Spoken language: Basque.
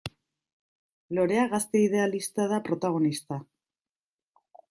Lorea gazte idealista da protagonista.